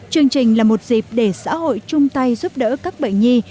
chương trình là một dịp để xã hội chung tay giúp đỡ các bệnh nhi